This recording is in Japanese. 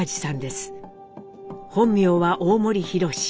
本名は大森宏。